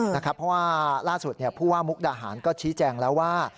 เพราะว่าล่าสุดผู้ว่ามุกดาหารก็ชี้แจงแล้วว่า